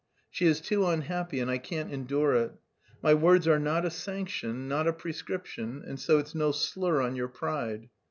She is too unhappy and I can't endure it. My words are not a sanction, not a prescription, and so it's no slur on your pride.